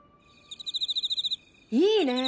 いいね！